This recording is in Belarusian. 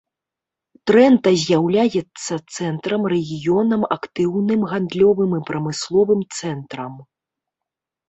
Трэнта з'яўляецца цэнтрам рэгіёнам актыўным гандлёвым і прамысловым цэнтрам.